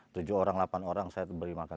tujuh orang lapan orang saya beli makan